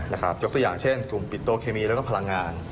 ยกตัวอย่างเช่นกลุ่มปิดโตเคมีแล้วก็พลังงาน